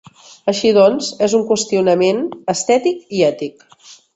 Així doncs, és un qüestionament estètic i ètic.